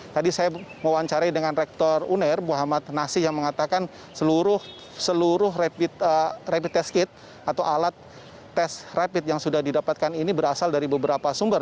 tadi saya mewawancari dengan rektor uner muhammad nasih yang mengatakan seluruh rapid test kit atau alat tes rapid yang sudah didapatkan ini berasal dari beberapa sumber